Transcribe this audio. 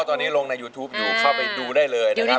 ตอนนี้ลงในยูทูปอยู่เข้าไปดูได้เลยนะครับ